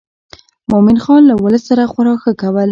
مومن خان له ولس سره خورا ښه کول.